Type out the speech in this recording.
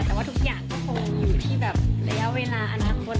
แต่ว่าทุกอย่างก็คงอยู่ที่แบบระยะเวลาอนาคต